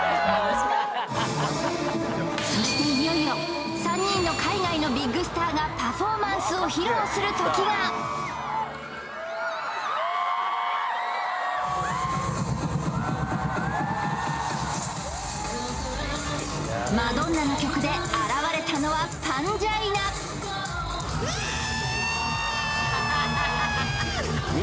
そしていよいよ３人の海外のビッグスターがパフォーマンスを披露するときがマドンナの曲で現れたのはパンジャイナイエーイ！